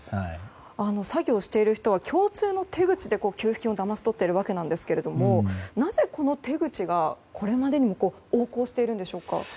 詐欺をしている人は共通の手口で給付金をだまし取っているわけですがなぜ、この手口がここまで横行しているんでしょうか。